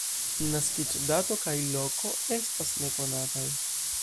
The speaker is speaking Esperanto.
Naskiĝdato kaj -loko estas nekonataj.